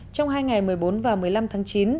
trong hai ngày một mươi bốn và một mươi năm tháng chín